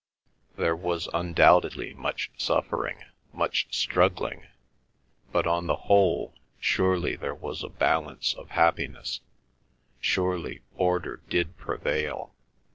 There was undoubtedly much suffering, much struggling, but, on the whole, surely there was a balance of happiness—surely order did prevail.